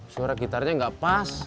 suara gitarnya gak pas